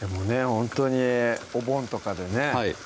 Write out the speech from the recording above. ほんとにお盆とかでね